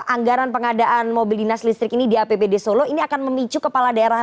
anggaran pengadaan mobil dinas listrik ini di apbd solo ini akan memicu kepala daerah